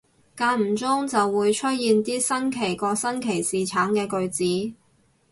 間唔中就會出現啲新奇過新奇士橙嘅句子